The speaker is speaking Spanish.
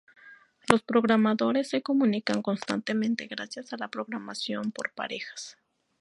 Los programadores se comunican constantemente gracias a la programación por parejas.